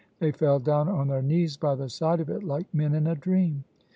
They fell down on their knees by the side of it like men in a dream.